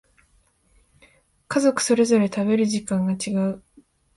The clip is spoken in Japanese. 家族それぞれ食べる時間が違う